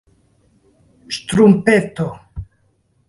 ŝtrumpeto